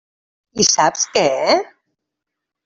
I sap què?